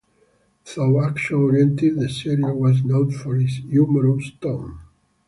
Though action oriented, the series was noted for its humorous tone.